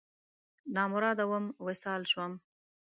نامراده وم، وصال شوم